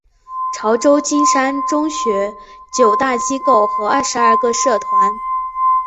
潮州金山中学九大机构和二十二个社团。